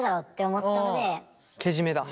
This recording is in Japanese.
けじめだ。